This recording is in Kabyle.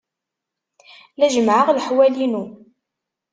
La jemmɛeɣ leḥwal-inu.